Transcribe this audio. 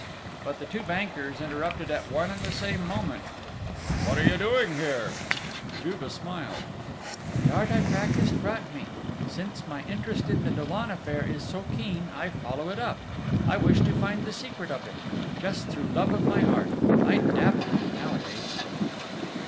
But the two bankers interrupted at one and the same moment. "What are you doing here?" Juve smiled. "The art I practise brought me! Since my interest in the Dollon affair is so keen, I follow it up, I wish to find the secret of it, just through love of my art. I dabble in it nowadays."